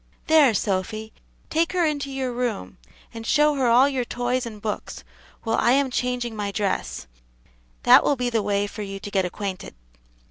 There, Sophy, take her into your room, and show her all your toys and books, while I am changing my dress; that will be the way for you to get acquainted."